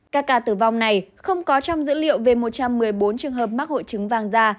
các ca tử vong này không có trong dữ liệu về một trăm một mươi bốn trường hợp mắc hội chứng vàng da